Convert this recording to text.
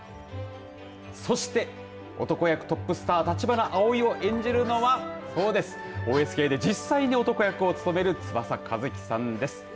そして男役トップスター橘アオイを演じるのはそうです、ＯＳＫで実際に男役を務める翼和希さんです。